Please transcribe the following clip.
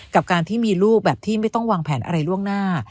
กับการที่มีลูกแบบที่ไม่ต้องวางแผนอะไรล่วงหน้า